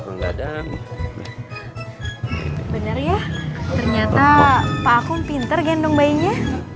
ternyata pak akum pinter gendong bayinya